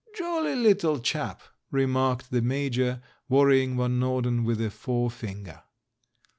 "Jolly little chap," remarked the Major, wor rying Van Norden with a forefinger.